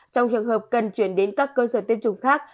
trong trường hợp cần chuyển đến các cơ sở tiêm chủng khác